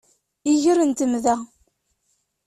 Iger n temda